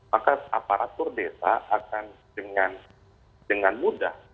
maka aparatur desa akan dengan mudah